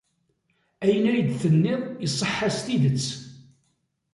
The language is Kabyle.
Ayen ay d-tennid iṣeḥḥa s tidet.